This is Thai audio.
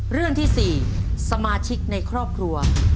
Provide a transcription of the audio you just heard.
เรื่องที่๔สมาชิกในครอบครัว